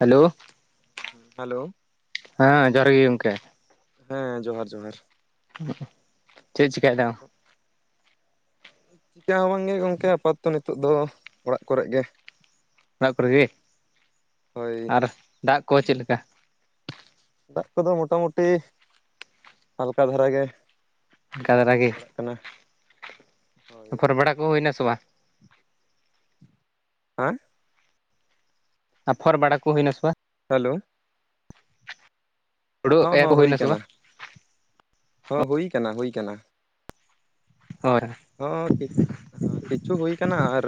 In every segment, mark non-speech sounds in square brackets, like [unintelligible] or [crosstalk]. Hello. ᱦᱟ. ᱞᱚ᱾ ᱦᱟᱸ ᱡᱚᱦᱟᱨ ᱜᱮ ᱜᱚᱝᱠᱮ᱾ ᱦᱮᱸ ᱡᱚᱦᱟᱨ ᱡᱚᱦᱟᱨ᱾ ᱪᱮᱫ ᱪᱤᱠᱟᱭ ᱫᱟᱢ? ᱪᱤᱠᱟᱹ ᱦᱚᱸ ᱵᱟᱝᱜᱮ ᱜᱚᱝᱠᱮ ᱟᱯᱟᱛᱚ ᱱᱤᱛᱚᱜ ᱫᱚ ᱚᱲᱟᱜ ᱠᱚᱨᱮᱜ ᱜᱮ᱾ ᱚᱲᱟᱜ ᱠᱚᱨᱮ ᱜᱮ, ᱦᱳᱭ ᱟᱨ ᱫᱟᱜ ᱠᱚ ᱪᱮᱫ ᱞᱮᱠᱟ? ᱫᱟᱜ ᱠᱚᱫᱚ ᱢᱚᱴᱟᱢᱩᱴᱤ ᱦᱟᱞᱠᱟ ᱫᱷᱟᱨᱟ ᱜᱮ᱾ ᱚᱱᱠᱟ ᱫᱷᱟᱨᱟ ᱜᱮ ᱡᱚ ᱵᱟᱲᱟᱜ ᱠᱟᱱᱟ ᱦᱚᱸ᱾ ᱟᱯᱷᱚᱨ ᱵᱟᱲᱟ ᱠᱚ ᱦᱩᱭᱱᱟ ᱥᱮ ᱵᱟ? ᱦᱟᱸ ᱟᱯᱷᱚᱨ ᱵᱟᱲᱟ ᱠᱩ ᱦᱩᱭᱱᱟ ᱥᱮ ᱵᱟᱝ? ᱦᱟ. ᱞᱚ᱾ ᱦᱩᱲᱩ ᱦᱚᱸ ᱮᱨ ᱦᱚᱸ ᱠᱚ ᱦᱩᱭ ᱱᱟ ᱥᱮ ᱠᱟᱱᱟ ᱵᱟᱝ? ᱦᱚᱸ ᱦᱩᱭ ᱠᱟᱱᱟ ᱦᱩᱭ ᱠᱟᱱᱟ᱾ ᱦᱚᱭ ᱦᱚᱭ᱾ ᱦᱚᱸ ᱠᱤᱪᱷᱩ ᱦᱩᱭ ᱟᱠᱟᱱᱟ ᱟᱨ,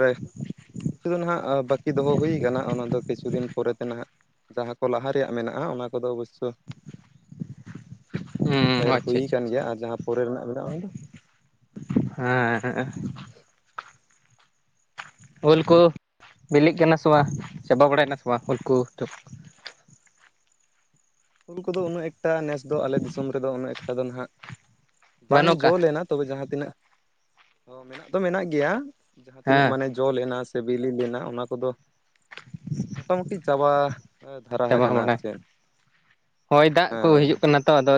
ᱠᱤᱪᱷᱩ ᱫᱚ ᱱᱟᱦᱟᱜ ᱵᱟᱹᱠᱤ ᱫᱚᱦᱚ ᱦᱩᱭ ᱟᱠᱟᱱᱟ᱾ ᱚᱱᱟ ᱫᱚ ᱠᱤᱪᱷᱩ ᱫᱤᱱ ᱯᱚᱨᱮᱛᱮ ᱱᱟᱦᱱᱟᱜ ᱡᱟᱦᱟᱸ ᱠᱚ ᱞᱟᱦᱟ ᱨᱮᱭᱟᱜ ᱢᱮᱱᱟᱜᱼᱟ, ᱚᱱᱟ ᱠᱚᱫᱚ ᱵᱚᱥᱳ ᱦᱩᱸ ᱮᱨ ᱟᱪᱪᱷᱟ ᱦᱩᱭ ᱟᱪᱪᱷᱟ ᱟᱠᱟᱱ ᱟᱪᱪᱷᱟ ᱜᱮᱭᱟ, ᱟᱨ ᱡᱟᱦᱟᱸ ᱯᱚᱨᱮ ᱨᱮᱱᱟᱜ ᱢᱮᱱᱟᱜᱼᱟ ᱚᱱᱟ ᱫᱚ ᱦᱮᱸᱻ ᱩᱞ ᱠᱚ ᱵᱤᱞᱤᱜ ᱠᱟᱱᱟ ᱥᱮ ᱵᱟᱝ ᱪᱟᱵᱟ ᱵᱟᱲᱟᱭ ᱱᱟ ᱥᱮ ᱵᱟᱝ ᱩᱞᱠᱩ? ᱦᱩᱞ ᱠᱚᱫᱚ ᱩᱱᱟᱹᱜ ᱮᱠᱴᱟ ᱱᱮᱥ ᱫᱚ ᱟᱞᱮ ᱫᱤᱥᱚᱢ ᱨᱮᱫᱚ ᱩᱱᱟᱹᱜ ᱮᱠᱴᱟ ᱫᱚ ᱱᱟᱦᱟᱜ ᱵᱟᱝ ᱵᱟᱹᱱᱩᱜ ᱡᱚ ᱠᱟᱜ ᱞᱮᱱᱟ ᱾ ᱛᱚᱵᱮ ᱡᱟᱦᱟᱸ ᱛᱤᱱᱟᱹᱜ ᱢᱮᱱᱟᱜ ᱫᱚ ᱢᱮᱱᱟᱜ ᱜᱮᱭᱟ, ᱡᱟᱦᱟᱸ ᱛᱤᱱᱟᱹᱜ ᱦᱮᱸ ᱢᱟᱱᱮ ᱡᱚ ᱞᱮᱱᱟ ᱥᱮ ᱵᱤᱞᱤ ᱞᱮᱱᱟ, ᱚᱱᱟ ᱠᱚᱫᱚ ᱢᱚᱴᱟᱢᱩᱴᱤ ᱪᱟᱵᱟ ᱫᱷᱟᱨᱟ ᱪᱟᱵᱟ ᱟᱠᱟᱱᱟ ᱟᱨ ᱵᱟᱲᱟ ᱪᱮᱫ, ᱦᱳᱭ ᱫᱟᱜ ᱠᱚ ᱦᱮᱸ ᱦᱤᱡᱩᱜ ᱠᱟᱱᱟ ᱛᱚ ᱟᱫᱚ,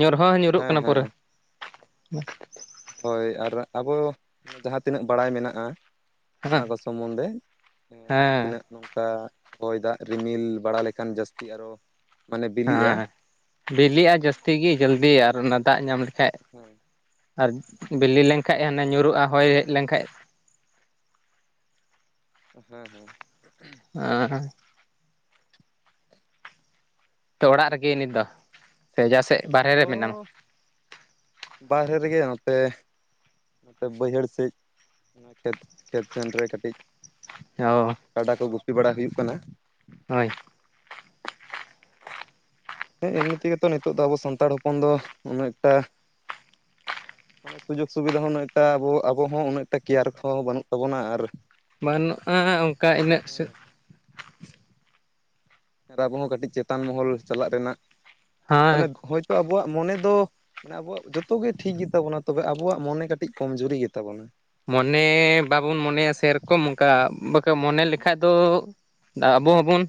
ᱧᱩᱨᱦᱚᱸ ᱧᱩᱨᱩᱜ ᱦᱮᱸ ᱠᱟᱱᱟ ᱦᱮᱸ ᱯᱩᱨᱟᱹ, ᱦᱩ ᱦᱳᱭ ᱟᱨ ᱟᱵᱚ ᱡᱟᱦᱟ ᱛᱤᱱᱟᱹᱜ ᱵᱟᱲᱟᱭ ᱢᱮᱱᱟᱜᱼᱟ ᱾ ᱚᱱᱟ ᱦᱮᱸ ᱠᱚ ᱥᱚᱢᱚᱱᱫᱷᱮ ᱡᱟᱦᱟᱸ ᱦᱮᱸ ᱛᱤᱱᱟᱹᱜ ᱱᱚᱝᱠᱟ ᱦᱚᱭ ᱫᱟᱜ ᱨᱤᱢᱤᱞ ᱵᱟᱲᱟ ᱞᱮᱠᱷᱟᱱ ᱡᱟᱹᱥᱛᱤ ᱟᱨᱚ, ᱢᱟᱱᱮ ᱵᱤᱞᱤᱜᱼᱟ ᱦᱮᱸ ᱵᱤᱞᱤᱜᱼᱟ ᱡᱟᱹᱥᱛᱤ ᱜᱮ ᱡᱚᱞᱫᱤ ᱟᱨ ᱚᱱᱟ ᱫᱟᱜ ᱧᱟᱢ ᱞᱮᱠᱷᱟᱡ, ᱦᱮᱸ ᱟᱨ ᱵᱤᱞᱤ ᱞᱮᱱᱠᱟᱡ ᱦᱟᱱᱮ ᱧᱩᱨᱩᱜᱼᱟ, ᱦᱚᱭ ᱦᱮᱡ ᱞᱮᱱᱠᱷᱟᱡ ᱦᱮᱸ ᱦᱮᱸ ᱟᱸ ᱛᱚ ᱚᱲᱟᱜ ᱨᱮᱜᱮ ᱱᱤᱛ ᱫᱚ ᱥᱮ ᱡᱟᱦᱟ ᱥᱮᱡ ᱵᱟᱨᱦᱮ ᱨᱮ ᱢᱮᱱᱟᱢᱟ ᱾ ᱦᱚᱸ ᱵᱟᱦᱨᱮ ᱨᱮᱜᱮ ᱱᱚᱛᱮ ᱵᱟᱹᱭᱦᱟᱹᱲ ᱥᱮᱫ ᱚᱱᱟ ᱠᱷᱮᱛ ᱠᱷᱮᱛ ᱠᱷᱟᱱ ᱨᱮ ᱠᱟᱹᱴᱤᱡ [unintelligible] ᱠᱟᱰᱟ ᱠᱚ ᱜᱩᱯᱤ ᱵᱟᱲᱟ ᱦᱩᱭᱩᱜ ᱠᱟᱱᱟ ᱾ ᱦᱳᱭ ᱦᱮᱸ ᱮᱢᱱᱤ ᱛᱮᱜᱮ ᱛᱚ ᱱᱤᱛᱚᱜ ᱫᱚ ᱟᱵᱚ ᱥᱟᱱᱛᱟᱲ ᱦᱚᱯᱚᱱ ᱫᱚ ᱩᱱᱟᱹᱜ ᱴᱟ ᱢᱟᱱᱮ ᱥᱩᱡᱳᱜᱽ ᱥᱩᱵᱤᱫᱷᱟ ᱦᱚᱸ ᱩᱱᱟᱹᱜ ᱮᱴᱟ ᱟᱵᱚ ᱟᱵᱚ ᱦᱚᱸ ᱩᱱᱟᱹᱜᱴᱟ ᱠᱮᱭᱟᱨ ᱠᱚᱦᱚᱸ ᱵᱟᱹᱱᱩᱜ ᱛᱟᱵᱚᱱᱟ, ᱟᱨ ᱵᱟᱹᱱᱩᱜᱼᱟ, ᱚᱱᱠᱟ ᱤᱱᱟᱹᱜ ᱥᱮᱫ ᱟᱨ ᱟᱵᱚ ᱦᱚᱸ ᱠᱟᱹᱴᱤᱡ ᱪᱮᱛᱟᱱ ᱢᱚᱦᱚᱞ ᱪᱟᱞᱟᱜ ᱨᱮᱱᱟᱜ ᱦᱮᱸ ᱚᱱᱮ ᱦᱳᱭᱛᱳ ᱟᱵᱚᱣᱟᱜ ᱢᱚᱱᱮ ᱫᱚ ᱢᱟᱱᱮ ᱟᱵᱚᱣᱟᱜ ᱡᱚᱛᱚᱮ ᱴᱷᱤᱠ ᱜᱮᱛᱟᱵᱚᱱᱟ ᱛᱚᱵᱮ ᱟᱵᱚᱣᱟᱜ ᱢᱚᱱᱮ ᱠᱟᱹᱴᱤᱡ ᱠᱚᱢᱡᱩᱨᱤ ᱜᱮᱛᱟᱵᱚᱱᱟ ᱾ ᱢᱚᱱᱮ ᱵᱟᱵᱚᱱ ᱢᱚᱱᱮᱭᱟ ᱥᱮᱨᱚᱠᱚᱢ ᱚᱱᱠᱟ ᱵᱟᱠᱟ ᱢᱚᱱᱮ ᱞᱮᱠᱷᱟᱡ ᱫᱚ ᱟᱵᱚ ᱦᱚᱸᱵᱚᱱ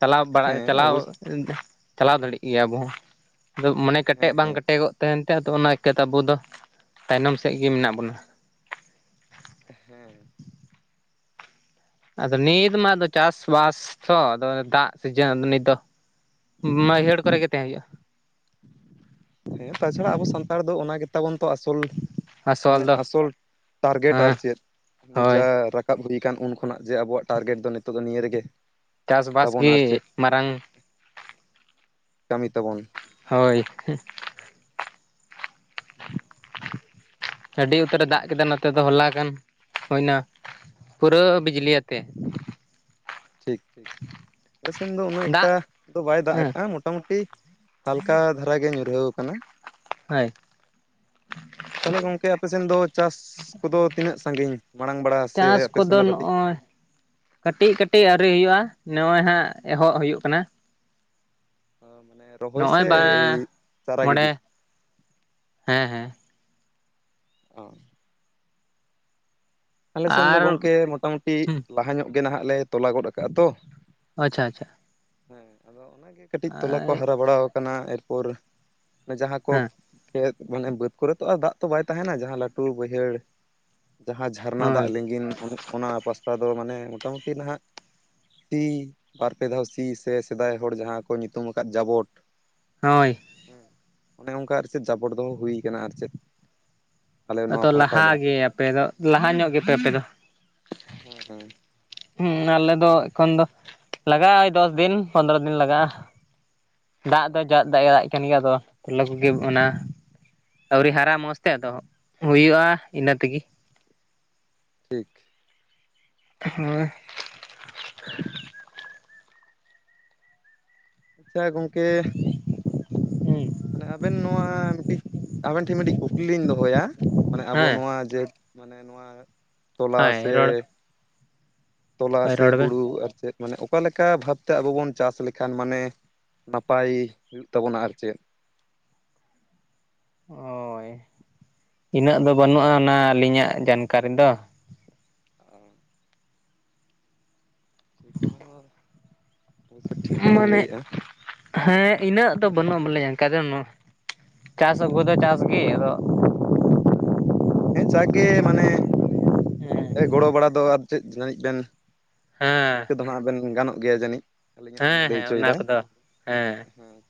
ᱪᱟᱞᱟᱣ ᱵᱟᱲᱟᱭ ᱦᱮᱸ ᱪᱟᱞᱟᱣ ᱚᱵᱚᱥ ᱪᱟᱞᱟᱣ ᱫᱟᱲᱮᱜ ᱜᱮᱭᱟ ᱟᱵᱚ ᱦᱚᱸ ᱾ ᱟᱫᱚ ᱢᱚᱱᱮ ᱠᱮᱴᱮᱡ ᱦᱮᱸ ᱵᱟᱝ ᱦᱮᱸ ᱠᱮᱴᱮᱜᱚᱜ ᱛᱟᱦᱮᱱ ᱛᱮ ᱟᱫᱚ ᱚᱱᱟ ᱤᱠᱷᱟᱹᱛᱮ ᱟᱵᱚ ᱫᱚ ᱛᱟᱭᱱᱚᱢ ᱥᱮᱫ ᱜᱮ ᱢᱮᱱᱟᱜ ᱵᱚᱱᱟ ᱦᱮᱸ ᱟᱫᱚ ᱱᱤᱛ ᱢᱟ ᱟᱫᱚ ᱪᱟᱥ ᱵᱟᱥ ᱛᱚ ᱟᱫᱚ ᱫᱟᱜ ᱥᱤᱡᱮᱱ ᱱᱤᱛ ᱫᱚ ᱢᱟᱹᱭᱦᱟᱹᱲ ᱠᱚᱨᱮ ᱜᱮ ᱛᱟᱦᱮᱸ ᱦᱩᱭᱩᱜᱼᱟ ᱾ ᱦᱮᱸ ᱛᱟᱪᱷᱟᱲᱟ ᱟᱵᱚ ᱥᱟᱱᱛᱟᱲ ᱫᱚ ᱚᱱᱟ ᱜᱮᱛᱟᱵᱚᱱ ᱛᱚ ᱟᱥᱚᱞ ᱢᱟᱱᱮ ᱟᱥᱚᱞ ᱴᱟᱨᱜᱮᱴ ᱟᱨ ᱦᱮᱸ ᱪᱮᱫ ᱢᱟᱱᱮ ᱦᱳᱭ ᱡᱟ ᱨᱟᱠᱟᱵ ᱦᱩᱭ ᱟᱠᱟᱱ ᱩᱱ ᱠᱷᱚᱱᱟᱜ ᱡᱮ ᱟᱵᱚᱣᱟᱜ ᱴᱟᱨᱜᱮᱴ ᱫᱚ ᱱᱤᱛᱚᱜ ᱫᱚ ᱱᱤᱭᱟᱹ ᱨᱮᱜᱮ ᱾ ᱪᱟᱥᱵᱟᱥ ᱛᱟᱵᱚᱱ ᱟᱨ ᱜᱮ ᱪᱮᱫ, ᱢᱟᱨᱟᱝ ᱠᱟᱹᱢᱤ ᱛᱟᱵᱚᱱ, ᱦᱳᱭ [inaudible] ᱟᱹᱰᱤ ᱩᱛᱟᱹᱨᱮ ᱫᱟᱜ ᱠᱮᱫᱟ ᱱᱚᱛᱮ ᱫᱚ ᱦᱚᱞᱟ ᱜᱟᱱ ᱦᱩᱭᱱᱟ ᱯᱩᱨᱟᱹ ᱵᱤᱡᱽᱞᱤ ᱟᱛᱮ, ᱴᱷᱤᱠ ᱴᱷᱤᱠ ᱟᱞᱮ ᱥᱮᱱ ᱫᱚ ᱩᱱᱟᱹᱜ ᱫᱟᱜ ᱮᱠᱴᱟ ᱫᱚ ᱵᱟᱭ ᱫᱟᱜ ᱦᱮᱸ ᱟᱠᱟᱜᱼᱟ, ᱢᱳᱴᱟᱢᱩᱴᱤ ᱦᱟᱞᱠᱟ ᱫᱷᱟᱨᱟ ᱜᱮ ᱧᱩᱨᱦᱟᱹᱣ ᱟᱠᱟᱱᱟ ᱾ ᱦᱳᱭ ᱛᱟᱦᱚᱞᱮ ᱜᱚᱝᱠᱮ ᱟᱯᱮᱥᱮᱱ ᱫᱚ ᱪᱟᱥ ᱠᱚᱫᱚ ᱛᱤᱱᱟᱹᱜ ᱥᱟᱺᱜᱤᱧ ᱢᱟᱲᱟᱝ ᱵᱟᱲᱟ ᱥᱮ ᱪᱟᱥ ᱟᱯᱮ ᱥᱮᱱ ᱠᱚᱫᱚ ᱫᱚ ᱠᱟᱹᱴᱤᱡ ᱱᱚᱜᱼᱚᱭ ᱠᱟᱹᱴᱤᱡ ᱠᱟᱹᱴᱤᱡ ᱟᱹᱣᱨᱤ ᱦᱩᱭᱩᱜᱼᱟ ᱱᱚᱜᱼᱚᱭ ᱦᱟᱸᱜ ᱮᱦᱚᱵ ᱦᱩᱭᱩᱜ ᱠᱟᱱᱟ ᱮᱻ ᱢᱟᱱᱮ ᱨᱚᱦᱚᱭ ᱱᱚᱜᱼᱚᱭ ᱥᱮ ᱵᱟ ᱪᱟᱨᱟ ᱢᱚᱬᱮ ᱜᱤᱰᱤ ᱦᱮᱸ ᱦᱮᱸ ᱚᱻ ᱟᱞᱮ ᱥᱮᱱ ᱫᱚ ᱟᱨ ᱜᱚᱝᱠᱮ ᱢᱳᱴᱟᱢᱩᱴᱤ ᱦᱩᱸ ᱞᱟᱦᱟ ᱧᱚᱜ ᱜᱮ ᱱᱷᱟᱜ ᱞᱮ ᱛᱚᱞᱟ ᱜᱚᱫ ᱟᱠᱟᱜᱼᱟ ᱛᱚ ᱟᱪᱪᱷᱟ ᱟᱪᱪᱷᱟ ᱦᱮᱸ ᱟᱫᱚ ᱚᱱᱟᱜᱮ ᱠᱟᱹᱴᱤᱡ ᱛᱚᱞᱟ ᱠᱚ ᱦᱟᱨᱟ ᱵᱟᱲᱟᱣᱟᱠᱟᱱᱟ ᱮᱨᱯᱚᱨ [unintelligible] ᱡᱟᱦᱟᱸ ᱠᱚ ᱦᱮᱸ ᱠᱷᱮᱛ ᱢᱟᱱᱮ ᱵᱟᱹᱫ ᱠᱚᱨᱮ ᱛᱚ ᱟᱨ ᱫᱟᱜ ᱛᱚ ᱵᱟᱭ ᱛᱟᱦᱮᱱᱟ ᱡᱟᱦᱟᱸ ᱞᱟᱹᱴᱩ ᱵᱟᱹᱭᱦᱟᱹᱲ ᱡᱟᱦᱟᱸ ᱡᱷᱟᱨᱱᱟ ᱫᱟᱜ ᱦᱳᱭ ᱞᱤᱸᱜᱤᱱ ᱚᱱᱟ ᱯᱟᱥᱴᱟ ᱫᱚ ᱢᱟᱱᱮ ᱢᱳᱴᱟᱢᱩᱴᱤ ᱱᱷᱟᱜ ᱥᱤ ᱵᱟᱨᱯᱮ ᱫᱷᱟᱣ ᱥᱤ ᱥᱮ ᱥᱮᱫᱟᱭ ᱦᱚᱲ ᱡᱟᱦᱟᱸ ᱠᱚ ᱧᱩᱛᱩᱢ ᱟᱠᱟᱫ ᱡᱟᱵᱚᱴ ᱦᱳᱭᱻ ᱦᱮᱸ ᱚᱱᱮ ᱚᱱᱠᱟ ᱟᱨ ᱪᱮᱫ ᱡᱟᱵᱚᱴ ᱫᱚᱦᱚ ᱦᱩᱭ ᱟᱠᱟᱱᱟ ᱟᱨ ᱪᱮᱫ ᱟᱞᱮ ᱱᱚᱣᱟ ᱟᱫᱚ ᱯᱟᱦᱴᱟ ᱞᱟᱦᱟ ᱫᱚ ᱜᱮ ᱟᱯᱮ ᱫᱚ ᱞᱟᱦᱟ ᱧᱚᱜ ᱜᱮᱯᱮ ᱟᱯᱮ ᱫᱚ ᱦᱮᱸ ᱦᱮᱸ ᱦᱩᱸ ᱟᱞᱮ ᱫᱚ ᱮᱠᱷᱚᱱ ᱫᱚ ᱞᱟᱜᱟᱜᱼᱟ ᱫᱚᱥ ᱫᱤᱱ ᱯᱚᱱᱨᱚ ᱫᱤᱱ ᱞᱟᱜᱟᱜᱼᱟ ᱫᱟᱜ ᱫᱚ [unintelligible] ᱫᱟᱜ ᱮ ᱠᱟᱱ ᱜᱮᱭᱟ ᱟᱫᱚ [unintelligible] ᱛᱚᱞᱟ ᱠᱚᱜᱮ ᱚᱱᱟ ᱟᱹᱣᱨᱤ ᱦᱟᱨᱟ ᱢᱚᱸᱡᱽ ᱛᱮ ᱟᱫᱚ ᱦᱩᱭᱩᱜᱼᱟ ᱤᱱᱟᱹ ᱛᱮᱜᱮ ᱴᱷᱤᱠ ᱦᱚᱭ ᱟᱪᱪᱷᱟ ᱜᱚᱝᱠᱮ ᱦᱩᱸ ᱢᱟᱱᱮ ᱟᱵᱮᱱ ᱱᱚᱣᱟ ᱢᱤᱫᱴᱤᱡ ᱟᱵᱮᱱ ᱴᱷᱮᱱ ᱢᱤᱫᱴᱤᱡ ᱠᱩᱠᱞᱤᱧ ᱫᱚᱦᱚᱭᱟ ᱢᱟᱱᱮ ᱟᱵᱚ ᱦᱮᱸ ᱱᱚᱣᱟ ᱡᱮ ᱢᱟᱱᱮ ᱱᱚᱣᱟ ᱛᱚᱞᱟ ᱥᱮ ᱦᱳᱭ ᱨᱚᱲ ᱛᱚᱞᱟ ᱦᱳᱭ ᱥᱮ ᱨᱚᱲ ᱵᱮᱱ ᱦᱳᱲᱳ ᱟᱨ ᱪᱮᱫ ᱢᱟᱱᱮ ᱚᱠᱟᱮᱠᱟ ᱵᱷᱟᱵᱽ ᱛᱮ ᱟᱵᱚ ᱵᱚᱱ ᱪᱟᱥ ᱞᱮᱠᱷᱟᱱ ᱢᱟᱱᱮ ᱱᱟᱯᱟᱭ ᱦᱩᱭᱩᱜ ᱛᱟᱵᱚᱱᱟ ᱟᱨ ᱪᱮᱫ ᱳᱭᱻ ᱤᱱᱟᱹᱜ ᱫᱚ ᱵᱟᱹᱱᱩᱜᱼᱟ ᱚᱱᱟ ᱟᱹᱞᱤᱧᱟᱜ ᱡᱟᱱᱠᱟᱨᱤ ᱫᱚ [unintelligible] ᱚᱱᱟ ᱦᱚᱸ ᱚᱵᱚᱥᱥᱳᱭ ᱴᱷᱤᱠ ᱜᱮᱵᱮᱱ ᱢᱟᱱᱮ ᱞᱟᱹᱭᱮᱫᱼᱟ ᱦᱮᱸ ᱤᱱᱟᱹᱜ ᱫᱚ ᱵᱟᱹᱱᱩᱜ ᱟ ᱵᱚᱞᱮᱧ ᱚᱱᱠᱟ ᱫᱚ ᱪᱟᱥ ᱟᱹᱜᱩ ᱫᱚ ᱪᱟᱥ ᱜᱮ ᱟᱫᱚ ᱦᱮᱸ ᱡᱟᱜᱽ ᱜᱮ ᱢᱟᱱᱮ ᱜᱚᱲᱚ ᱵᱟᱲᱟ ᱫᱚ ᱟᱨ ᱪᱮᱫ ᱡᱟᱹᱱᱤᱡ ᱵᱮᱱ ᱦᱮᱸᱻ ᱤᱱᱠᱟᱹ ᱫᱚ ᱱᱷᱟᱜ ᱵᱮᱱ ᱜᱟᱱᱚᱜ ᱜᱮᱭᱟ ᱡᱟᱹᱱᱤᱡ ᱟᱹᱞᱤᱧᱟᱜ ᱢᱚᱱᱮ ᱞᱟᱹᱭ ᱦᱮᱸ ᱚᱱᱟ ᱚᱪᱚᱭᱮᱫᱟᱭ ᱠᱚᱫᱚ ᱦᱮᱸ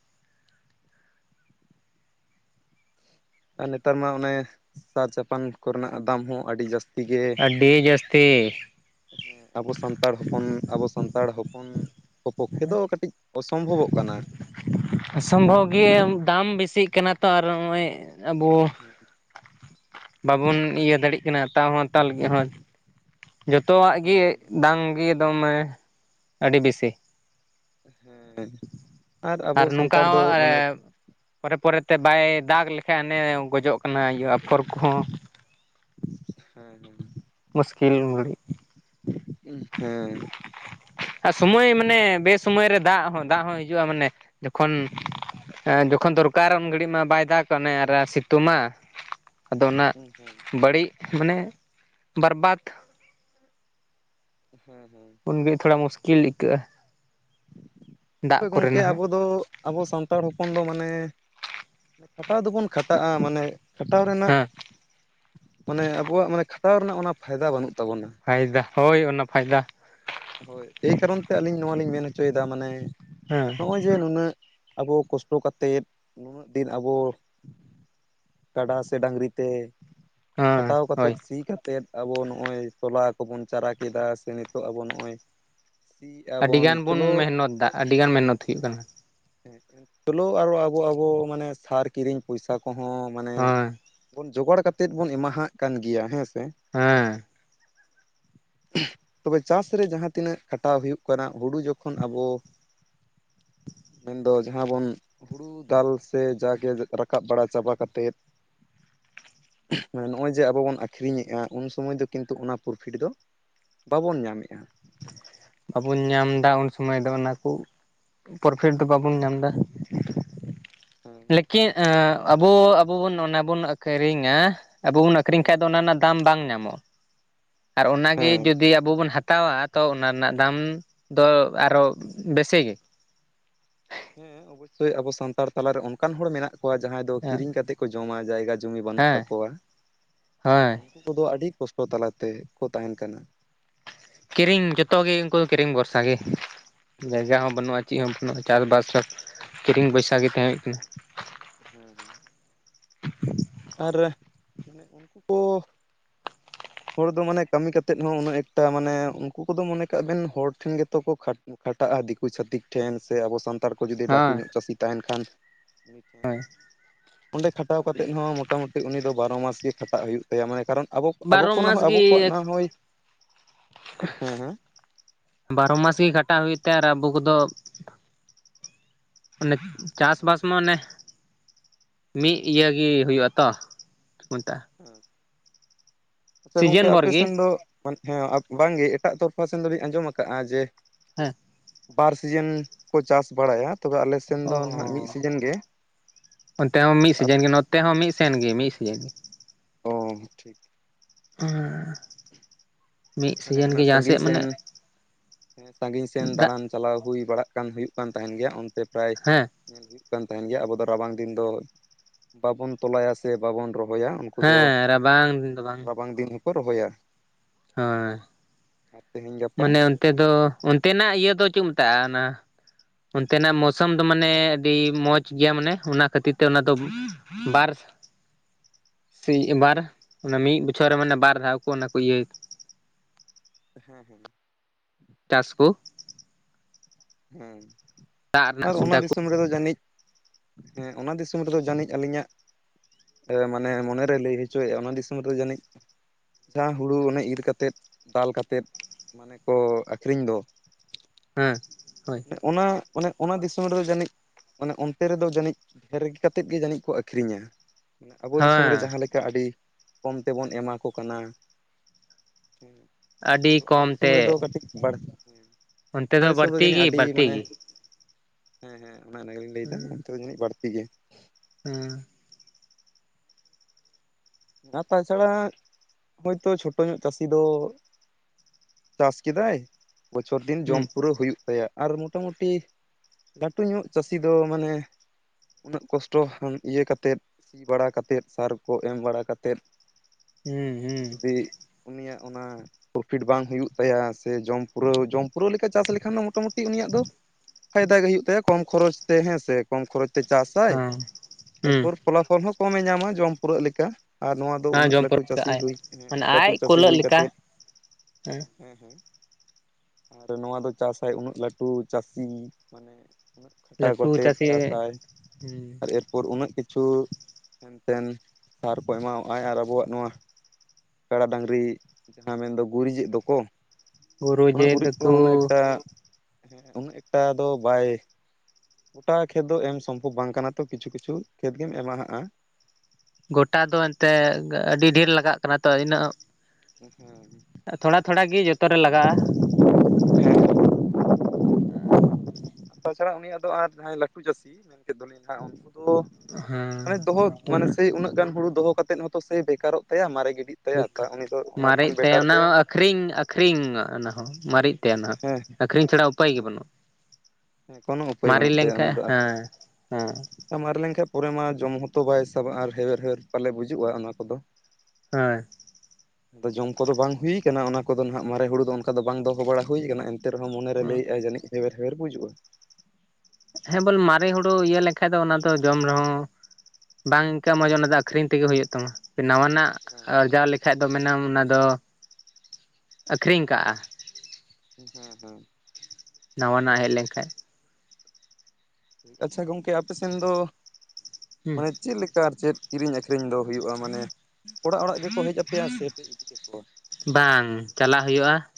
ᱟᱨ ᱱᱮᱛᱟᱨ ᱢᱟ ᱚᱱᱮ ᱥᱟᱨ ᱪᱟᱯᱟᱱ ᱠᱚᱨᱮᱱᱟᱜ ᱫᱟᱢ ᱦᱚᱸ ᱟᱹᱰᱤ ᱡᱟᱹᱥᱛᱤ ᱜᱮ ᱟᱹᱰᱤ ᱡᱟᱹᱥᱛᱤ ᱟᱵᱚ ᱥᱟᱱᱛᱟᱲ ᱦᱚᱯᱚᱱ ᱟᱵᱚ ᱥᱟᱱᱛᱟᱲ ᱦᱚᱯᱚᱱ [unintelligible] ᱫᱚ ᱠᱟᱹᱴᱤᱡ ᱚᱥᱚᱢᱵᱷᱚᱵᱚᱵᱽ ᱠᱟᱱᱟ ᱟᱥᱚᱢᱵᱷᱚᱵ ᱜᱮ ᱫᱟᱢ ᱵᱮᱥᱤᱜ ᱠᱟᱱᱟ ᱛᱚ ᱟᱨ ᱱᱚᱜᱼᱚᱭ ᱟᱵᱚ ᱦᱮᱸ ᱵᱟᱵᱚᱱ ᱤᱭᱟᱹ ᱫᱟᱲᱮᱜ ᱠᱟᱱᱟ ᱛᱟᱣ ᱦᱚᱸᱛᱟᱣ ᱞᱟᱹᱜᱤᱫ ᱦᱚᱸ ᱡᱚᱛᱚᱣᱟᱜ ᱜᱮ ᱦᱮᱸ ᱫᱟᱢ ᱜᱮ ᱫᱚᱢᱮ ᱟᱹᱰᱤ ᱵᱮᱥᱤ ᱦᱮᱸ ᱟᱨ ᱟᱵᱚ ᱱᱚᱝᱠᱟ ᱥᱟᱱᱛᱟᱲ ᱫᱚ ᱦᱚᱸ ᱢᱟᱱᱮ ᱯᱚᱨᱮ ᱯᱚᱨᱮᱛᱮ ᱵᱟᱭ ᱫᱟᱜᱽ ᱞᱮᱠᱷᱟᱱ ᱦᱟᱱᱮ ᱜᱚᱡᱚᱜ ᱠᱟᱱᱟ ᱟᱯᱷᱚᱨ ᱠᱚᱦᱚᱸ ᱦᱮᱸ ᱦᱮᱸ ᱢᱩᱥᱠᱤᱞ [unintelligible] ᱦᱮᱸ ᱟᱨ ᱥᱚᱢᱚᱭ ᱦᱮᱸ ᱢᱟᱱᱮ ᱵᱮᱥᱚᱢᱚᱭ ᱨᱮ ᱫᱟᱜ ᱦᱚᱸ ᱫᱟᱜ ᱦᱚᱸ ᱦᱤᱡᱩᱜᱼᱟ ᱢᱟᱱᱮ ᱡᱚᱠᱷᱚᱱ ᱡᱚᱠᱷᱚᱱ ᱫᱚᱨᱠᱟᱨ ᱩᱱ ᱜᱷᱟᱹᱲᱤᱡ ᱢᱟ ᱵᱟᱭ ᱫᱟᱜᱟ ᱚᱱᱮ ᱟᱨ ᱥᱤᱛᱩᱝᱟ ᱟᱫᱚ ᱱᱟᱜ ᱦᱮᱸ ᱵᱟᱹᱲᱤᱡ ᱢᱟᱱᱮ ᱵᱚᱨᱵᱟᱫᱽ ᱦᱮᱸ ᱦᱮᱸ ᱩᱱᱜ ᱛᱷᱚᱲᱟ ᱢᱩᱥᱠᱤᱞ ᱟᱹᱭᱠᱟᱹᱜᱼᱟ ᱛᱚᱵᱮ ᱫᱟᱜ ᱜᱚᱝᱠᱮ ᱠᱚᱨᱮᱱᱟᱜ ᱦᱚᱸ ᱟᱵᱚ ᱫᱚ ᱟᱵᱚ ᱥᱟᱱᱛᱟᱲ ᱦᱚᱯᱚᱱ ᱫᱚ ᱢᱟᱱᱮ ᱠᱷᱟᱴᱟᱣ ᱫᱚᱵᱚᱱ ᱠᱷᱟᱴᱟᱜᱼᱟ ᱢᱟᱱᱮ ᱠᱷᱟᱴᱟᱣ ᱨᱮᱱᱟᱜ ᱦᱮᱸ ᱢᱟᱱᱮ ᱟᱵᱚᱣᱟᱜ ᱢᱟᱱᱮ ᱠᱷᱟᱴᱟᱣ ᱨᱮᱱᱟᱜ ᱚᱱᱟ ᱯᱷᱟᱭᱫᱟ ᱵᱟᱹᱱᱩᱜ ᱛᱟᱵᱚᱱᱟ ᱾ ᱯᱷᱟᱭᱫᱟ ᱦᱳᱭ ᱚᱱᱟ ᱾ ᱦᱮᱸ, ᱦᱳᱭ ᱾ ᱮᱭ ᱠᱟᱨᱚᱱ ᱛᱮ ᱟᱹᱞᱤᱧ ᱱᱚᱣᱟ ᱞᱤᱧ ᱢᱮᱱ ᱦᱚᱪᱚᱭᱮᱫᱟ, ᱢᱟᱱᱮ ᱦᱮᱸ ᱾ ᱱᱚᱜᱼᱚᱭ ᱡᱮ ᱱᱩᱱᱟᱹᱜ ᱟᱵᱚ ᱠᱚᱥᱴᱚ ᱠᱟᱛᱮᱫ ᱱᱩᱱᱟᱹᱜ ᱫᱤᱱ ᱟᱵᱚ ᱠᱟᱰᱟ ᱥᱮ ᱰᱟᱝᱨᱤ ᱛᱮ ᱦᱮᱸ ᱠᱷᱟᱴᱟᱣ ᱦᱳᱭ ᱠᱟᱛᱮᱫ, ᱥᱤ ᱠᱟᱛᱮᱫ, ᱟᱵᱚ ᱱᱚᱜᱼᱚᱭ ᱛᱚᱞᱟ ᱠᱚᱵᱚᱱ ᱪᱟᱨᱟ ᱠᱮᱫᱟ ᱥᱮ ᱱᱤᱛᱚᱜ ᱟᱵᱚ ᱱᱚᱜᱼᱚᱭ ᱥᱤᱭ ᱮ ᱟᱹᱰᱤ ᱟᱵᱚᱱ ᱜᱟᱱ ᱵᱚᱱ ᱪᱚᱞᱚ ᱢᱮᱦᱱᱚᱛ ᱫᱟ ᱟᱹᱰᱤ ᱜᱟᱱ ᱢᱮᱦᱱᱚᱛ ᱦᱩᱭᱩᱜ ᱦᱮᱸ ᱠᱟᱱᱟ ᱦᱮᱸ ᱪᱚᱞᱚ ᱟᱨᱚ ᱟᱵᱚ ᱟᱵᱚ ᱢᱟᱱᱮ ᱥᱟᱨ ᱠᱤᱨᱤᱧ ᱯᱚᱭᱥᱟ ᱠᱚᱦᱚᱸ ᱢᱟᱱᱮ ᱦᱳᱭ ᱵᱚᱱ ᱡᱚᱜᱟᱲ ᱠᱟᱛᱮᱜ ᱵᱚᱱ ᱮᱢᱟᱦᱟᱜ ᱠᱟᱱ ᱜᱮᱭᱟ ᱦᱮᱸ ᱥᱮ ᱦᱮᱸ ᱛᱚᱵᱮ ᱪᱟᱥ ᱨᱮ ᱡᱟᱦᱟᱸ ᱛᱤᱱᱟᱹᱜ ᱠᱷᱟᱴᱟᱣ ᱦᱩᱭᱩᱜ ᱠᱟᱱᱟ ᱦᱩᱲᱩ ᱡᱚᱠᱷᱚᱱ ᱟᱵᱚ ᱢᱮᱱᱫᱚ ᱡᱟᱦᱟᱸ ᱵᱚᱱ ᱦᱩᱲᱩ ᱫᱟᱞ ᱥᱮ ᱡᱟᱜᱮ ᱨᱟᱠᱟᱵ ᱵᱟᱲᱟ ᱪᱟᱵᱟ ᱠᱟᱛᱮᱫ, ᱱᱚᱜᱼᱚᱭ ᱡᱮ ᱟᱵᱚ ᱵᱚᱱ ᱟᱠᱷᱨᱤᱧᱮᱜᱼᱟ ᱩᱱ ᱥᱩᱚᱢᱚᱭ ᱫᱚ ᱠᱤᱱᱛᱩ ᱚᱱᱟ ᱯᱨᱚᱯᱷᱤᱴ ᱫᱚ ᱵᱟᱵᱚᱱ ᱧᱟᱢᱮᱜᱼᱟ ᱾ ᱵᱟᱵᱚᱱ ᱧᱟᱢᱫᱟ ᱩᱱ ᱥᱚᱢᱚᱭ ᱫᱚ ᱚᱱᱟ ᱠᱚ ᱯᱨᱚᱯᱷᱤᱴ ᱫᱚ ᱵᱟᱵᱚᱱ ᱧᱟᱢ ᱫᱟ ᱾ ᱞᱮᱠᱤᱱ ᱟᱵᱚ ᱟᱵᱚ ᱵᱚᱱ ᱚᱱᱟ ᱵᱚᱱ ᱟᱹᱠᱷᱨᱤᱧᱟ ᱟᱵᱚ ᱵᱚᱱ ᱟᱹᱠᱷᱨᱤᱧ ᱠᱷᱟᱡ ᱫᱚ ᱚᱱᱟ ᱨᱮᱱᱟᱜ ᱫᱟᱢ ᱵᱟᱝ ᱧᱟᱢᱚᱜᱼᱟ ᱾ ᱟᱨ ᱚᱱᱟ ᱜᱮ ᱦᱮᱸ ᱡᱩᱫᱤ ᱟᱵᱚ ᱵᱚᱱ ᱦᱟᱛ ᱦᱟᱛᱟᱣᱟ ᱛᱚ ᱚᱱᱟ ᱨᱮᱱᱟᱜ ᱫᱟᱢ ᱫᱚ ᱟᱨᱚ ᱵᱮᱥᱤ ᱜᱮ ᱾ ᱦᱮᱸ, ᱚᱵᱚᱥᱥᱳᱭ ᱟᱵᱚ ᱥᱟᱱᱛᱟᱲ ᱛᱟᱞᱟᱨᱮ ᱚᱱᱠᱟᱱ ᱦᱚᱲ ᱢᱮᱱᱟᱜ ᱠᱚᱣᱟ ᱡᱟᱦᱟᱸᱭ ᱫᱚ ᱠᱤᱨᱤᱧ ᱠᱟᱛᱮ ᱠᱚ ᱡᱚᱢᱟ ᱾ ᱡᱟᱭᱜᱟ ᱡᱩᱢᱤ ᱵᱟᱹᱱᱩᱜ ᱦᱮᱸ ᱛᱟᱠᱚᱣᱟ, ᱦᱳᱭ ᱩᱱᱠᱩ ᱠᱚᱫᱚ ᱟᱹᱰᱤ ᱠᱚᱥᱴᱚ ᱛᱟᱞᱟ ᱛᱮᱠᱚ ᱛᱟᱦᱮᱱ ᱠᱟᱱᱟ ᱾ ᱠᱤᱨᱤᱧ ᱡᱚᱛᱚ ᱜᱮ ᱩᱱᱠᱩ ᱫᱚ ᱠᱤᱨᱤᱧ ᱵᱷᱚᱨᱥᱟ ᱜᱮ, ᱡᱟᱭᱜᱟ ᱦᱮᱸ ᱦᱚᱸ ᱵᱟᱹᱱᱩᱜᱼᱟ ᱾ ᱪᱮᱫ ᱦᱚᱸ, ᱵᱟᱹᱱᱼᱟ ᱪᱟᱥᱵᱟᱥ ᱦᱚᱸ, ᱠᱤᱨᱤᱧ ᱯᱚᱭᱥᱟ ᱜᱮ ᱛᱟᱦᱮᱸ ᱠᱟᱱᱟ ᱾ ᱦᱮᱸ ᱦᱮᱸ ᱾ ᱟᱨ ᱢᱟᱱᱮ ᱩᱱᱠᱩ ᱠᱚ ᱦᱚᱲ ᱫᱚ ᱢᱟᱱᱮ ᱠᱟᱹᱢᱤ ᱠᱟᱛᱮᱫ ᱦᱚᱸ, ᱩᱱᱟᱹᱜ ᱮᱠᱴᱟ ᱢᱟᱱᱮ ᱩᱱᱠᱩ ᱠᱚᱫᱚ ᱢᱚᱱᱮ ᱠᱟᱜ ᱵᱮᱱ ᱦᱚᱲ ᱴᱷᱮᱱ ᱜᱮᱛᱚ ᱠᱚ ᱠᱷᱟᱴᱟ ᱾ ᱠᱷᱟᱴᱟᱜᱼᱟ ᱫᱤᱠᱩᱼᱪᱷᱟᱹᱛᱤᱠ ᱴᱷᱮᱱ ᱥᱮ ᱟᱵᱚ ᱥᱟᱱᱛ ᱱᱮᱛᱟᱨ ᱠᱚ ᱡᱩᱫᱤ ᱞᱟᱹᱴᱩ ᱦᱮᱸ ᱧᱚᱜ ᱪᱟᱹᱥᱤ ᱛᱟᱦᱮᱱ ᱠᱷᱟᱱ, ᱩᱱᱤ ᱴᱷᱮᱱ ᱚᱸᱰᱮ ᱠᱷᱟᱴᱟᱣ ᱠᱟᱛᱮ ᱦᱚᱸ, ᱢᱚᱴᱟᱢᱩᱴᱤ ᱩᱱᱤᱫ ᱫᱚ ᱵᱟᱨᱚ ᱢᱟᱥ ᱜᱮ ᱠᱷᱟᱴᱟᱜ ᱦᱩᱭᱩᱜ ᱠᱟᱱᱟ ᱾ ᱢᱟᱱᱮ ᱠᱟᱨᱚᱱ ᱟᱵᱚ ᱟᱵᱚ ᱵᱟᱨᱚ ᱠᱚ ᱢᱟᱥ ᱟᱵᱚ ᱜᱮ ᱠᱚᱣᱟᱜ ᱱᱟ ᱦᱳᱭ, ᱦᱮᱸ ᱦᱮᱸ ᱾ ᱵᱟᱨᱚ ᱢᱟᱥ ᱜᱮ ᱠᱷᱟᱴᱟᱜ ᱦᱩᱭᱩᱜ ᱛᱟᱭ ᱟᱨ ᱟᱵᱚ ᱠᱚᱫᱚ ᱢᱟᱱᱮ ᱦᱮᱸ ᱪᱟᱥᱵᱥᱢᱟ ᱦᱮᱸ ᱚᱱᱮ ᱢᱤᱫ ᱤᱭᱟᱹ ᱜᱮ ᱦᱩᱭᱩᱜᱼᱟ ᱛᱚ, ᱢᱮᱴᱟᱜ ᱟᱪᱪᱷᱟ ᱜᱚᱝᱠᱮ ᱥᱤᱡᱮᱱ ᱵᱷᱳᱨ ᱟᱯᱮ ᱜᱮ ᱥᱮᱱ ᱫᱚ ᱦᱮᱸ ᱵᱟᱝᱜᱮ ᱮᱴᱟᱜ ᱛᱚᱨᱯᱷᱟ ᱥᱮᱱ ᱫᱚᱞᱤᱧ ᱟᱸᱡᱚᱢ ᱟᱠᱟᱜᱼᱟ ᱡᱮ ᱦᱮᱸ ᱾ ᱵᱟᱨ ᱥᱤᱡᱤᱱ ᱠᱚ ᱪᱟᱥ ᱵᱟᱲᱟᱭᱟ ᱾ ᱛᱚᱵᱮ ᱟᱞᱮ ᱥᱮᱱ ᱚᱻ, ᱫᱚ ᱱᱟᱦᱟᱜ ᱢᱤᱫ ᱥᱤᱡᱤᱱ ᱜᱮ ᱚᱱᱛᱮ ᱦᱚᱸ ᱢᱤᱫ ᱥᱤᱡᱮᱱ ᱜᱮ, ᱱᱚᱛᱮ ᱦᱚᱸ ᱢᱤᱫ ᱥᱮᱱ ᱜᱮ ᱢᱤᱫ ᱥᱤᱡᱮᱱ ᱜᱮ ᱾ ᱚ, ᱴᱷᱤᱠ ᱾ ᱦᱮᱸ ᱾ ᱢᱤᱫ ᱢᱟᱱᱮ ᱥᱤᱡᱮᱱ ᱦᱟᱱᱟ ᱜᱮ ᱡᱟᱦᱟᱸ ᱥᱟᱺᱜᱤᱧ ᱥᱮᱫ ᱢᱟᱱᱮ ᱥᱮᱱ ᱥᱟᱺᱜᱤᱧ ᱥᱮᱱ ᱫᱟᱜ ᱫᱟᱬᱟᱱ ᱪᱟᱞᱟᱣ ᱦᱩᱭ ᱵᱟᱲᱟᱜ ᱠᱟᱱ ᱦᱩᱭᱩᱜ ᱠᱟᱱ ᱛᱟᱦᱮᱱ ᱜᱮᱭᱟ ᱚᱱᱛᱮ ᱯᱨᱟᱭ ᱦᱮᱸ ᱧᱮᱞ ᱦᱩᱭᱩᱜ ᱠᱟᱱ ᱛᱟᱦᱮᱱ ᱜᱮᱭᱟ, ᱟᱵᱚ ᱫᱚ ᱨᱟᱵᱟᱝ ᱫᱤᱱ ᱫᱚ ᱵᱟᱵᱚᱱ ᱛᱚᱞᱟᱭᱟ ᱥᱮ ᱵᱟᱵᱚᱱ ᱨᱚᱦᱚᱭᱟ ᱾ ᱦᱮᱸ, ᱨᱟᱵᱟᱝ ᱫᱤᱱ ᱫᱚ ᱵᱟᱝ ᱾ ᱠᱚ ᱨᱚᱦᱚᱭᱟ ᱾ ᱦᱮᱸ ᱾ ᱟᱨ ᱛᱮᱦᱮᱧ ᱜᱟᱯᱟ ᱚᱱᱛᱮ ᱫᱚ ᱚᱱᱛᱮᱱᱟᱜ ᱤᱭᱟᱹ ᱫᱚ ᱪᱮᱫ ᱠᱚ ᱢᱮᱛᱟᱜᱼᱟ ᱚᱱᱟ ᱚᱱᱛᱮᱱᱟᱜ ᱢᱳᱣᱥᱚᱢ ᱫᱚ ᱢᱟᱱᱮ ᱟᱹᱰᱤ ᱢᱚᱸᱡᱽ ᱜᱮᱭᱟ ᱢᱟᱱᱮ ᱚᱱᱟ ᱠᱷᱟᱹᱛᱤᱨ ᱛᱮ ᱚᱱᱟ ᱫᱚ ᱵᱟᱨ ᱥᱮ ᱟᱵᱟᱨ ᱚᱱᱟ ᱢᱤᱫ ᱵᱚᱪᱷᱚᱨ ᱢᱟᱱᱮ ᱵᱟᱨ ᱫᱷᱟᱣ ᱠᱚ ᱚᱱᱟ ᱠᱚ ᱤᱭᱟᱹᱭᱮᱫ ᱦᱮᱸ ᱦᱮᱸ ᱪᱟᱥ ᱠᱚ ᱦᱮᱸ ᱫᱟᱜ ᱨᱮᱱᱟᱜ ᱟᱨ ᱚᱱᱟ ᱥᱩᱵᱤᱫᱷᱟ ᱠᱚ ᱫᱤᱥᱚᱢ ᱨᱮᱫᱚ ᱡᱟᱹᱱᱤᱡ ᱦᱮᱸ ᱚᱱᱟ ᱫᱤᱥᱚᱢ ᱨᱮᱫᱚ ᱡᱟᱹᱱᱤᱡ ᱟᱹᱞᱤᱧ ᱟᱜ ᱢᱟᱱᱮ ᱢᱚᱱᱮᱨᱮ ᱞᱟᱹᱭ ᱦᱚᱪᱚᱭᱮᱜᱼᱟ ᱚᱱᱟ ᱫᱤᱥᱚᱢ ᱨᱮ ᱡᱟᱹᱱᱤᱡ ᱡᱟᱦᱟᱸ ᱦᱩᱲᱩ ᱚᱱᱮ ᱤᱨ ᱠᱟᱛᱮᱫ ᱫᱟᱞ ᱠᱟᱛᱮᱫ ᱢᱟᱱᱮ ᱠᱚ ᱟᱹᱠᱷᱨᱤᱧ ᱫᱚ ᱦᱩᱸ ᱦᱳᱭ ᱚᱱᱟ ᱚᱱᱮ ᱚᱱᱟ ᱫᱤᱥᱚᱢ ᱨᱮᱫᱚ ᱡᱟᱹᱱᱤᱡ ᱢᱟᱱᱮ ᱚᱱᱛᱮ ᱨᱮᱫᱚ ᱡᱟᱹᱱᱤᱡ ᱰᱷᱮᱨ ᱠᱟᱛᱮ ᱜᱮ ᱡᱟᱹᱱᱤᱡ ᱠᱚ ᱟᱹᱠᱷᱨᱤᱧᱟ, ᱮ ᱟᱵᱚ ᱫᱤᱥᱚᱢ ᱨᱮ ᱦᱮᱸ ᱡᱟᱦᱟᱸ ᱪᱤᱠᱟ ᱟᱹᱰᱤ ᱠᱚᱢ ᱛᱮᱵᱚᱱ ᱮᱢᱟ ᱠᱚ ᱠᱟᱱᱟ ᱾ ᱟᱹᱰᱤ ᱚᱱᱟ ᱠᱚᱢ ᱫᱤᱥᱚᱢ ᱛᱮ ᱨᱮᱫᱚ ᱠᱟᱹᱴᱤᱡ ᱵᱟᱹᱲ ᱚᱱᱛᱮ ᱫᱚ ᱵᱟᱹᱲᱛᱤ ᱜᱮ ᱵᱟᱹᱲᱛᱤ ᱜᱮ ᱦᱮᱸ ᱦᱮᱸ ᱚᱱᱟ ᱚᱱᱟ ᱜᱮᱞᱤᱧ ᱞᱟᱹᱭ ᱮᱫᱟ ᱚᱱᱛᱮ ᱫᱚ ᱡᱟᱹᱱᱤᱡ ᱵᱟᱹᱲᱛᱤ ᱜᱮ ᱦᱮᱸ ᱚᱱᱟ ᱛᱟᱪᱷᱟᱲᱟ ᱦᱚᱭᱛᱳ ᱪᱷᱳᱴᱳ ᱧᱚᱜ ᱪᱟᱹᱥᱤ ᱫᱚ ᱪᱟᱥ ᱠᱮᱫᱟᱭ ᱵᱚᱪᱷᱚᱨ ᱫᱤᱱ ᱡᱚᱢ ᱦᱩᱸ ᱯᱩᱨᱟᱹᱣ ᱦᱩᱭᱩᱜ ᱛᱟᱭᱟ ᱟᱨ ᱢᱚᱴᱟᱢᱩᱴᱤ ᱞᱟᱴᱩ ᱧᱚᱜ ᱪᱟᱹᱥᱤ ᱫᱚ ᱢᱟᱱᱮ ᱩᱱᱟᱹᱜ ᱠᱚᱥᱴᱚ ᱤᱭᱟᱹ ᱠᱟᱛᱮᱫ ᱥᱤ ᱵᱟᱲᱟ ᱠᱟᱛᱮᱫ ᱥᱟᱨ ᱠᱚ ᱮᱢ ᱵᱟᱲᱟ ᱠᱟᱛᱮᱫ ᱦᱩᱸ ᱡᱩᱫᱤ ᱩᱱᱤᱭᱟᱜ ᱚᱱᱟ ᱯᱨᱚ ᱯᱷᱤᱴ ᱵᱟᱝ ᱦᱩᱭᱩᱜ ᱛᱟᱭᱟ ᱥᱮ ᱡᱚᱢ ᱯᱩᱨᱟᱹᱣ ᱡᱚᱢ ᱯᱩᱨᱟᱹᱣ ᱞᱮᱠᱟ ᱪᱟᱥ ᱞᱮᱠᱷᱟᱱ ᱫᱚ ᱢᱚᱴᱟᱢᱩᱴᱤ ᱩᱱᱤᱭᱟᱜ ᱫᱚ ᱯᱷᱟᱭᱫᱟ ᱜᱮ ᱦᱩᱭᱩᱜ ᱛᱟᱭᱟ ᱠᱚᱢ ᱠᱷᱚᱨᱚᱪ ᱛᱮ ᱦᱮᱸ ᱥᱮ ᱠᱚᱢ ᱠᱷᱚᱨᱚᱪ ᱛᱮ ᱪᱟᱥ-ᱟᱭ ᱦᱩᱸ ᱮᱨᱯᱚᱨ ᱯᱷᱚᱞᱟᱯᱷᱚᱞ ᱦᱚᱸ ᱠᱚᱢᱮ ᱧᱟᱢᱟ ᱡᱚᱢ ᱯᱩᱨᱟᱹᱜ ᱞᱮᱠᱟ ᱟᱨ ᱱᱚᱣᱟ ᱫᱚ ᱦᱮᱸ ᱩᱱᱟᱹᱜ ᱡᱚᱢ ᱞᱟᱹᱴᱩ ᱯᱩᱨᱟᱹᱣ ᱪᱟᱹᱥᱤ ᱠᱟᱜᱼᱟᱭ ᱦᱩᱭ.. [unintelligible] ᱢᱟᱱᱮ ᱩᱱᱟᱹᱜ ᱞᱟᱹᱴᱩ ᱟᱡ ᱪᱟᱹᱥᱤ ᱠᱩᱞᱟᱹᱜ ᱦᱩᱭ ᱞᱮᱠᱟ ᱠᱟᱛᱮᱜ ᱦᱮᱸ ᱦᱩᱸ ᱦᱩᱸ ᱟᱨ ᱱᱚᱣᱟ ᱫᱚ ᱪᱟᱥᱟᱭ ᱩᱱᱟᱹᱜ ᱞᱟᱹᱴᱩ ᱪᱟᱥᱤ ᱢᱟᱱᱮ ᱩᱱᱟᱹᱜ ᱠᱷᱟᱴᱟᱣ ᱞᱟᱹᱴᱩ ᱠᱟᱛᱮᱫ ᱪᱟᱹᱥᱤ ᱪᱟᱥᱟᱭ ᱟᱨ ᱮᱨᱯᱚᱨ ᱩᱱᱟᱹᱜ ᱠᱤᱪᱷᱩ ᱦᱮᱱ ᱛᱮᱱ ᱠᱚᱭ ᱮᱢᱟᱣᱟᱜᱼᱟ ᱟᱨ ᱟᱵᱚᱣᱟᱜ ᱱᱚᱣᱟ ᱠᱟᱲᱟ ᱰᱟᱹᱝᱨᱤ ᱡᱟᱦᱟᱸ ᱢᱮᱱᱫᱚ ᱜᱩᱨᱤᱡ ᱮᱫ ᱫᱚᱠᱚ ᱦᱩᱲᱩ ᱚᱱᱟ ᱡᱮᱫ ᱜᱩᱨᱤᱡ ᱫᱟᱠᱚ ᱛᱮᱦᱚᱸ ᱩᱱᱟᱹᱜ ᱮᱠᱴᱟ ᱦᱮᱸ ᱩᱱᱟᱹᱜ ᱮᱠᱴᱟ ᱫᱚ ᱵᱟᱭ ᱜᱚᱴᱟ ᱠᱷᱮᱛ ᱫᱚ ᱮᱢ ᱥᱚᱢᱵᱷᱚᱵᱽ ᱵᱟᱝ ᱠᱟᱱᱟ ᱛᱚ ᱠᱤᱪᱷᱩ ᱠᱤᱪᱷᱩ ᱠᱷᱮᱛ ᱜᱮᱢ ᱮᱢᱟᱦᱟᱜᱼᱟ ᱜᱚᱴᱟ ᱫᱚ ᱮᱱᱛᱮ ᱟᱹᱰᱤ ᱰᱷᱮᱨ ᱞᱟᱜᱟᱜ ᱠᱟᱱᱟ ᱛᱚ ᱤᱱᱟᱹᱜ ᱩᱸᱦᱩᱸ ᱛᱷᱚᱲᱟ ᱛᱷᱚᱲᱟ ᱜᱮ ᱡᱚᱛᱚ ᱨᱮ ᱞᱟᱜᱟᱜᱼᱟ ᱛᱟᱪᱷᱟᱲᱟ ᱩᱱᱤᱭᱟᱜ ᱫᱚ ᱟᱨ ᱡᱟᱦᱟᱸᱭ ᱞᱟᱹᱴᱩ ᱪᱟᱹᱥᱤ ᱢᱮᱱ ᱠᱮᱫ ᱫᱚᱞᱤᱧ ᱦᱟᱸᱜ ᱩᱱᱠᱩ ᱛᱚ ᱦᱮᱸ ᱢᱟᱱᱮ ᱫᱚᱦᱚ ᱢᱟᱱᱮ ᱚᱱᱟ ᱥᱮᱭ ᱩᱱᱟᱹᱜ ᱩᱱᱟᱹᱜ ᱜᱟᱱ ᱦᱩᱲᱩ ᱫᱚᱦᱚ ᱠᱟᱛᱮᱫ ᱦᱚᱸᱛᱚ ᱥᱮ ᱵᱮᱠᱟᱨᱚᱜ ᱛᱟᱭᱟ ᱢᱟᱨᱮ ᱜᱤᱰᱤᱜ ᱛᱟᱭᱟ ᱩᱱᱤ ᱫᱚ ᱚᱱᱟ ᱢᱟᱨᱮᱜ ᱠᱷᱚᱱ ᱛᱟᱭᱟ ᱵᱮᱴᱟᱨ ᱚᱱᱟ ᱦᱚᱸ ᱢᱟᱱᱮ ᱟᱹᱠᱷᱨᱤᱧ ᱟᱹᱠᱷᱨᱤᱧᱚᱜ ᱚᱱᱟ ᱦᱚᱸ ᱢᱟᱨᱮᱜ ᱛᱟᱭᱟ ᱚᱱᱟ ᱦᱚ ᱦᱮᱸ ᱟᱹᱠᱷᱨᱤᱧ ᱪᱷᱟᱲᱟ ᱩᱯᱟᱹᱭ ᱜᱮ ᱦᱮᱸ ᱵᱟᱹᱱᱩᱜ ᱦᱮᱸ ᱠᱳᱱᱳ ᱩᱯᱟᱹᱭ ᱢᱟᱨᱮ ᱵᱟᱹᱱᱩᱜ ᱞᱮᱱᱠᱷᱟᱱ ᱦᱮᱸ ᱦᱮᱸ ᱢᱟᱨᱮ ᱞᱮᱱᱠᱷᱟᱡ ᱯᱚᱨᱮ ᱢᱟ ᱡᱚᱢ ᱦᱚᱸᱛᱚ ᱵᱟᱭ ᱥᱟᱵᱟᱜᱼᱟ ᱟᱨ ᱦᱮᱣᱮᱨ ᱦᱮᱣᱮᱨ ᱯᱟᱞᱮ ᱵᱩᱡᱩᱜᱼᱟ ᱚᱱᱟ ᱠᱚᱫᱚ ᱦᱮᱸ ᱟᱫᱚ ᱡᱚᱢ ᱠᱚᱫᱚ ᱵᱟᱝ ᱦᱩᱭ ᱟᱠᱟᱱᱟ ᱚᱱᱟ ᱠᱚᱫᱚ ᱱᱟᱦᱟᱜ ᱢᱟᱨᱮ ᱦᱩᱲᱩ ᱫᱚ ᱚᱱᱠᱟ ᱫᱚ ᱵᱟᱝ ᱫᱚᱦᱚ ᱵᱟᱲᱟ ᱦᱩᱭ ᱟᱠᱟᱱᱟ ᱮᱱᱛᱮ ᱨᱮᱦᱚᱸ ᱢᱚᱱᱮᱨᱮ ᱞᱟᱹᱭ ᱮᱜᱼᱟᱭ ᱡᱟᱹᱱᱤᱡ ᱦᱮᱣᱮᱨ ᱦᱮᱣᱮᱨ ᱵᱩᱡᱩᱜᱼᱟ ᱦᱮᱸ ᱵᱚᱞᱮ ᱢᱟᱨᱮ ᱦᱩᱲᱩ ᱤᱭᱟᱹ ᱞᱮᱠᱷᱟᱡ ᱫᱚ ᱚᱱᱟ ᱫᱚ ᱡᱚᱢ ᱨᱮᱦᱚᱸ ᱵᱟᱝ ᱤᱱᱠᱟᱹ ᱢᱚᱸᱡᱽ ᱚᱱᱟ ᱫᱚ ᱟᱹᱠᱷᱨᱤᱧ ᱛᱮᱜᱮ ᱦᱩᱭᱩᱜ ᱛᱟᱢᱟ ᱱᱟᱣᱟᱱᱟᱜ ᱟᱨᱡᱟᱣ ᱞᱮᱠᱷᱟᱡ ᱫᱚ ᱢᱮᱱᱟᱢ ᱚᱱᱟ ᱫᱚ ᱟᱹᱠᱷᱨᱤᱧ ᱠᱟᱜᱼᱟ ᱦᱩᱸ ᱦᱩᱸ ᱱᱟᱣᱟᱱᱟᱜ ᱦᱮᱡ ᱞᱮᱠᱷᱟᱡ ᱟᱪᱪᱷᱟ ᱜᱚᱝᱠᱮ ᱟᱯᱮ ᱥᱮᱱ ᱫᱚ ᱦᱩᱸ ᱢᱟᱱᱮ ᱪᱮᱫ ᱞᱮᱠᱟ ᱟᱨ ᱪᱮᱫ ᱠᱤᱨᱤᱧ ᱟᱠᱠᱷᱨᱤᱧ ᱫᱚ ᱦᱩᱭᱩᱜᱼᱟ ᱢᱟᱱᱮ ᱚᱲᱟᱜ ᱚᱲᱟᱜ ᱜᱮᱠᱚ ᱦᱮᱡ ᱟᱯᱮᱭᱟ ᱥᱮᱯᱮ ᱤᱫᱤ ᱟᱠᱚᱣᱟ? ᱵᱟᱝ ᱪᱟᱞᱟᱜ ᱦᱩᱭᱩᱜᱼᱟ ᱾